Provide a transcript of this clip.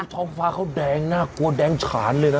ท้องฟ้าเขาแดงน่ากลัวแดงฉานเลยนะ